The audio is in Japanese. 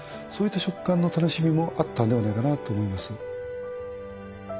そういった食感の楽しみもあったんではないかなと思います。